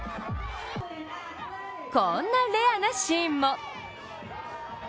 こんなレアなシーンも。